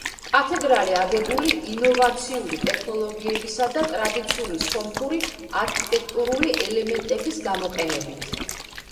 კათედრალი აგებული ინოვაციური ტექნოლოგიებისა და ტრადიციული სომხური არქიტექტურული ელემენტების გამოყენებით.